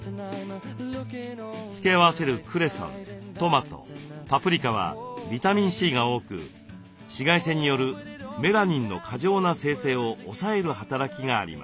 付け合わせるクレソントマトパプリカはビタミンＣが多く紫外線によるメラニンの過剰な生成を抑える働きがあります。